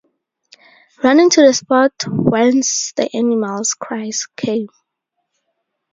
Running to the spot whence the animal's cries came.